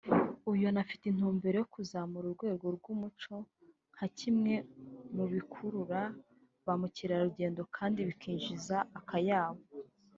uyu anafite intumbero yo kuzamura urwego rw’umuco nka kimwe mu bikurura ba mukerarugendo kandi bikinjiza akayabo